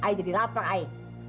i jadi lapar i